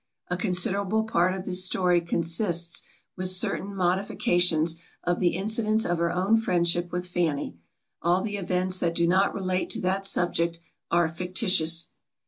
A considerable part of this story consists, with certain modifications, of the incidents of her own friendship with Fanny. All the events that do not relate to that subject are fictitious.